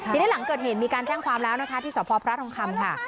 ทีนี้หลังเกิดเหตุมีการแจ้งความแล้วนะคะที่สพพระทองคำค่ะ